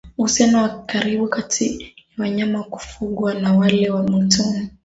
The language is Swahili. Uhusiano wa karibu kati ya wanyama wa kufugwa na wale wa mwituni